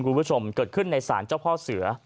คุณผู้ชมเกิดขึ้นในศาลเจ้าพ่อเสือ